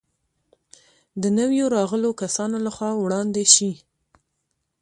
د نویو راغلو کسانو له خوا وړاندې شي.